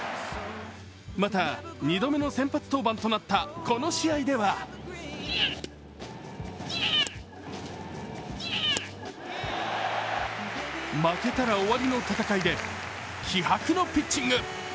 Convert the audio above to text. また、２度目の先発登板となったこの試合では負けたら終わりの戦いで気迫のピッチング。